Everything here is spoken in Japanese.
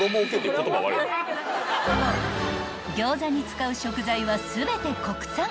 ［餃子に使う食材は全て国産］